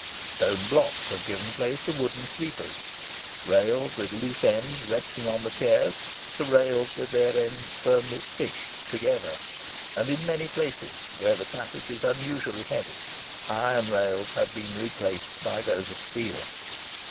Stone blocks have given place to wooden sleepers; rails with loose ends resting on the chairs, to rails with their ends firmly "fished" together; and in many places, where the traffic is unusually heavy, iron rails have been replaced by those of steel.